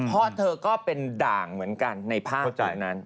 เพราะเธอก็เป็นด่างเหมือนกันในภาพจุดนั้น